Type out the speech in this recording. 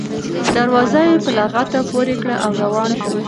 دروازه یې په لغته پورې کړه او روان شو.